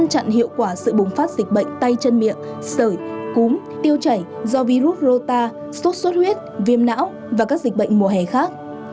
chặn hiệu quả sự bùng phát dịch bệnh tay chân miệng sởi cúm tiêu chảy do virus rota sốt xuất huyết viêm não và các dịch bệnh mùa hè khác